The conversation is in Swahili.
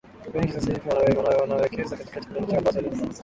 wengi sasa hivi wanawekeza katika technologia ambazo ni